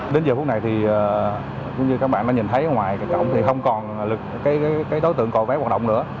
đến giờ phút này thì như các bạn đã nhìn thấy ở ngoài cổng thì không còn đối tượng cò vé hoạt động nữa